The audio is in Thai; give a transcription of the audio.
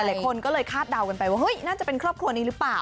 หลายคนก็เลยคาดเดากันไปว่าเฮ้ยน่าจะเป็นครอบครัวนี้หรือเปล่า